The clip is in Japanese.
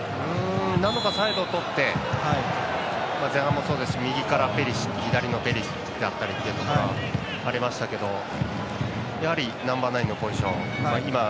なんとかサイドをとって右からペリシッチだったりというところがありましたけどやはりナンバーナインのポジション。